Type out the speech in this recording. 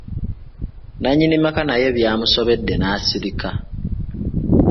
Nannyini maka naye byamusobodde n'asirika.